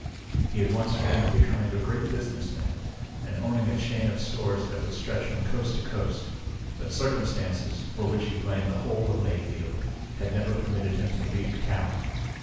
He had once dreamed of becoming a great businessman and owning a chain of stores that would stretch from coast to coast, but circumstances, for which he blamed the whole of Mayfield, had never permitted him to leave the town.